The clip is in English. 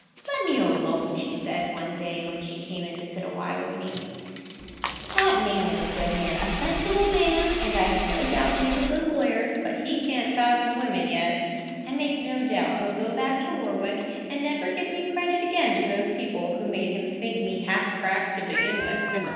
"Let me alone," said she, one day when she came in to sit awhile with me. "That man is a good man—a sensible man—and I have no doubt he is a good lawyer; but he can't fathom women yet. I make no doubt he'll go back to Warwick, and never give credit again to those people who made him think me half cracked to begin with.